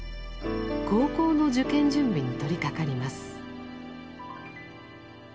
高校の受験準備に取りかかります。